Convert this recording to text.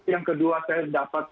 yang kedua saya dapat